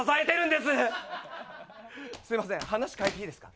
すみません話を変えていいですか。